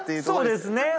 そうですね。